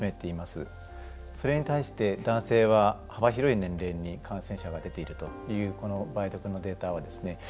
それに対して男性は幅広い年齢に感染者が出ているというこの梅毒のデータはですね